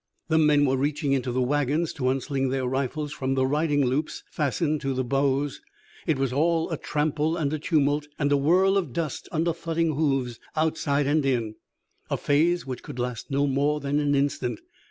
The men were reaching into the wagons to unsling their rifles from the riding loops fastened to the bows. It all was a trample and a tumult and a whirl of dust under thudding hoofs outside and in, a phase which could last no more than an instant.